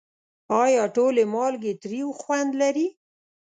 آیا ټولې مالګې تریو خوند لري؟